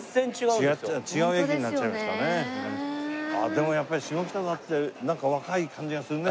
でもやっぱり下北沢ってなんか若い感じがするね。